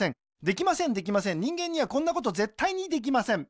できませんできません人間にはこんなことぜったいにできません